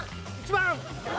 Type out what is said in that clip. １番！